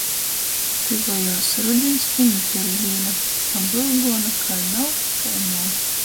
Tyvojās rudiņs i Mikeļdīna, a bryuguona, kai nav, tai nav.